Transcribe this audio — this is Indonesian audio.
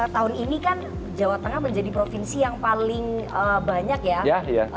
tahun ini kan jawa tengah menjadi provinsi yang paling banyak ya